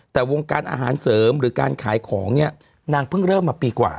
แต่วงการอาหารเสริมหรือการขายของเนี่ยนางเพิ่งเริ่มมาปีกว่า